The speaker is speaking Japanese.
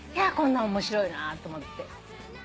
こんなん面白いなと思って。